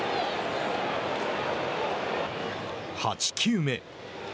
８球目。